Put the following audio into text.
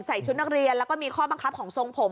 ชุดนักเรียนแล้วก็มีข้อบังคับของทรงผม